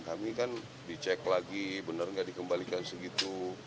kami kan dicek lagi benar nggak dikembalikan segitu